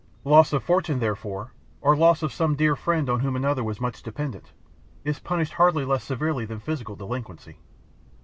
Loss of fortune, therefore, or loss of some dear friend on whom another was much dependent, is punished hardly less severely than physical delinquency.